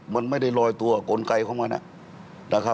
มันไม่ได้ลอยตัวกลไกเข้ามา